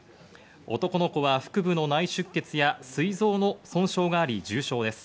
男の子は腹部の内出血や膵臓の損傷があり重傷です。